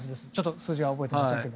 数字は覚えていませんが。